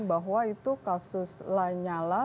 bahwa itu kasus lanyala